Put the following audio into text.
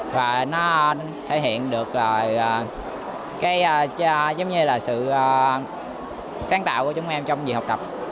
và nó thể hiện được cái giống như là sự sáng tạo của chúng em trong việc học tập